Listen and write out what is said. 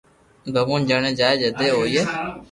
ڀگوان جڻي چائي جدي ھوئي